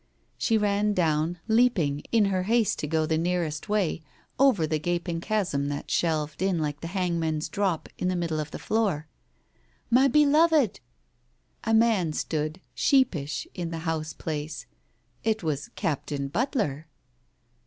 . She ran down, leaping, in her haste to go the nearest way, over the gaping chasm that shelved in like the hangman's drop, in the middle of the floor. " My beloved!" A man stood, sheepish, in the house place. It was Captain Butler.